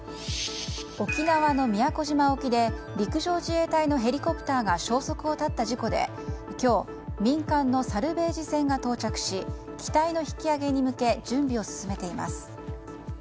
沖縄の宮古島沖で陸上自衛隊のヘリコプターが消息を絶った事故で今日民間のサルベージ船が到着し機体の引き揚げに向け準備を進めています。